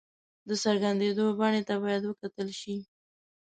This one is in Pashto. د څرګندېدو بڼې ته باید وکتل شي.